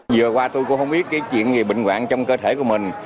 giờ qua tôi cũng không biết chuyện gì bệnh quạng trong cơ thể của mình